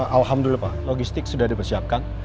alhamdulillah pak logistik sudah dipersiapkan